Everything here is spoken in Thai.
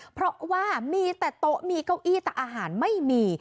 เพราะว่ามีแต่โต๊ะมีเก้าอี้แต่อาหารไม่มี